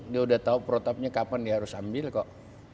dia udah tahu protapnya kapan dia harus ambil kok